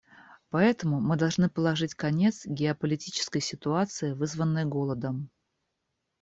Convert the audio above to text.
Поэтому мы должны положить конец геополитической ситуации, вызванной голодом.